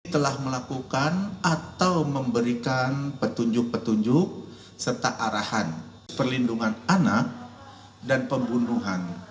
telah melakukan atau memberikan petunjuk petunjuk serta arahan perlindungan anak dan pembunuhan